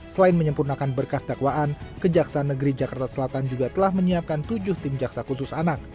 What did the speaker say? selain menyempurnakan berkas dakwaan kejaksaan negeri jakarta selatan juga telah menyiapkan tujuh tim jaksa khusus anak